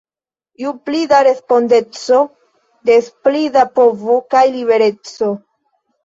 Ju pli da respondeco, des pli da povo kaj libereco!